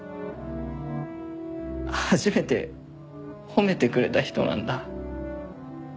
初めて褒めてくれた人なんだ。